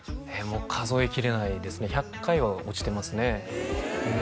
もう数え切れないですね１００回は落ちてますね